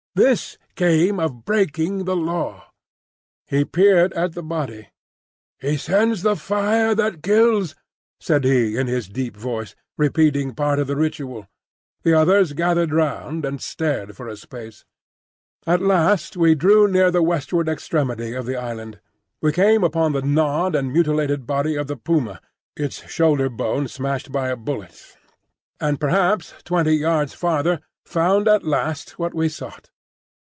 This came of breaking the Law." He peered at the body. "He sends the Fire that kills," said he, in his deep voice, repeating part of the Ritual. The others gathered round and stared for a space. At last we drew near the westward extremity of the island. We came upon the gnawed and mutilated body of the puma, its shoulder bone smashed by a bullet, and perhaps twenty yards farther found at last what we sought.